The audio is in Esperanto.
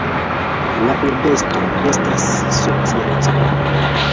La urbestro estas socialisto.